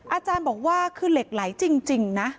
อาจารย์บอกว่าคือเหล็กไหลจริงนะ